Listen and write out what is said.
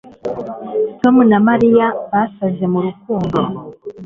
Tom na Mariya basaze murukundo